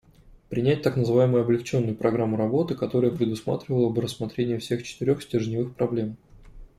Принять так называемую облегченную программу работы, которая предусматривала бы рассмотрение всех четырех стержневых проблем.